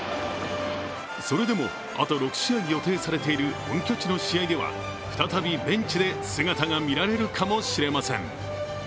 それでもあと６試合予定されている本拠地の試合では再びベンチで姿が見られるかもしれません。